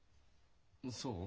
そう？